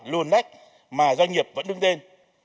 luôn nách mà doanh nghiệp vẫn đứng tên